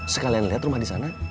sekalian lihat rumah di sana